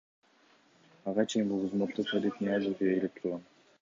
Ага чейин бул кызматты Фарид Ниязов ээлеп турган.